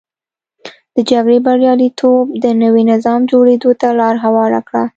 د جګړې بریالیتوب د نوي نظام جوړېدو ته لار هواره کړه.